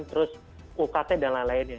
terus ukt dan lain lainnya